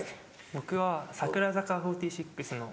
僕は櫻坂４６の。